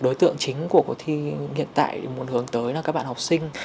đối tượng chính của cuộc thi hiện tại muốn hướng tới là các bạn học sinh